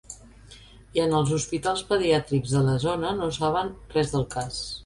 I en els hospitals pediàtrics de la zona no saben res del cas.